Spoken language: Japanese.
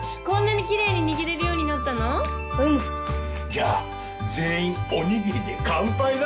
じゃあ全員おにぎりで乾杯だ！